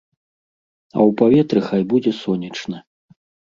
А ў паветры хай будзе сонечна.